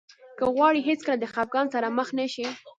که غواړئ هېڅکله د خفګان سره مخ نه شئ.